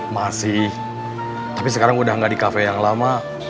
masih tapi sekarang udah nggak di kafe yang lama